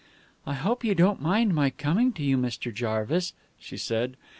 "I hope you don't mind my coming to you, Mr. Jarvis," she said.